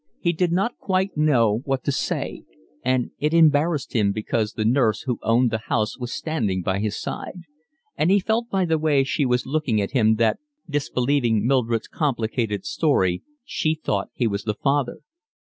He did not quite know what to say; and it embarrassed him because the nurse who owned the house was standing by his side; and he felt by the way she was looking at him that, disbelieving Mildred's complicated story, she thought he was the father.